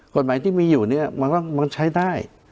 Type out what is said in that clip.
กฎหมายที่มีอยู่เนี่ยมันก็ใช้ได้